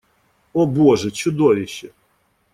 О боже, чудовище!